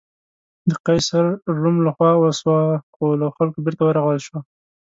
د قیصر روم له خوا وسوه خو له خلکو بېرته ورغول شوه.